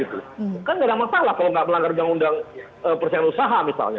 kan nggak ada masalah kalau nggak melanggar uu persenjataan usaha misalnya